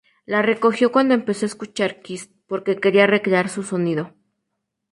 La recogió cuando empezó a escuchar kiss, porque quería recrear su sonido.